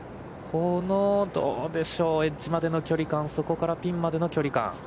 この、どうでしょう、エッジまでの距離感、そこからピンまでの距離感。